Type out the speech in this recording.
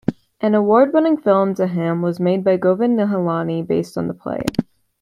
An award-winning film "Deham" was made by Govind Nihalani based on the play.